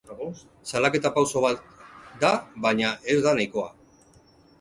Salaketa pauso bat da, baina ez da nahikoa.